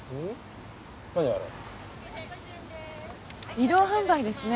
移動販売ですね。